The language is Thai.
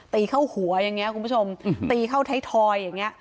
ตีเข้าหัวอย่างนี้คุณผู้ชมตีเข้าไทยทอยอย่างเงี้